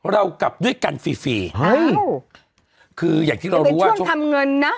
เรากลับด้วยกันฟรีฟรีเฮ้ยคืออย่างที่เรารู้ว่าช่วงทำเงินนะ